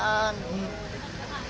ada pengasuh apaan